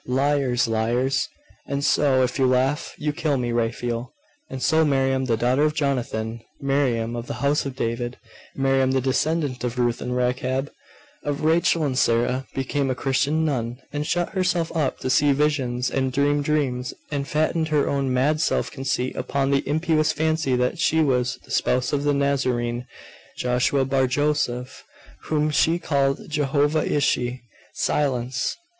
Liars! liars! And so if you laugh, you kill me, Raphael and so Miriam, the daughter of Jonathan Miriam, of the house of David Miriam, the descendant of Ruth and Rachab, of Rachel and Sara, became a Christian nun, and shut herself up to see visions, and dream dreams, and fattened her own mad self conceit upon the impious fancy that she was the spouse of the Nazarene, Joshua Bar Joseph, whom she called Jehovah Ishi Silence!